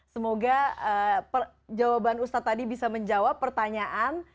semoga jawaban ustadz tadi bisa menjawab pertanyaan